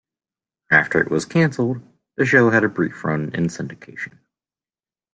After it was canceled, the show had a brief run in syndication.